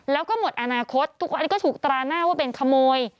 แล้วก็หมดอนาคตทุกวันนี้ก็ถูกตราหน้าว่าเป็นขโมย